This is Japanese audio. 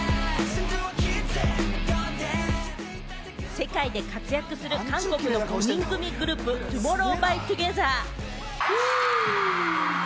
世界で活躍する韓国の５人組グループ、ＴＯＭＯＲＲＯＷＸＴＯＧＥＴＨＥＲ。